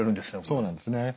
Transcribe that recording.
そうなんですね。